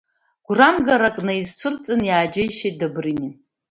Гәрамгарак наизцәырҵын, иааџьеишьеит Добринин.